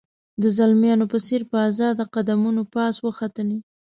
د زلمیانو په څېر په آزاده قدمونو پاس وختلې.